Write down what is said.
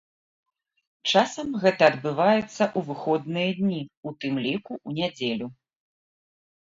Часам гэта адбываецца ў выходныя дні, у тым ліку ў нядзелю.